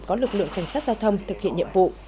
có lực lượng cảnh sát giao thông thực hiện nhiệm vụ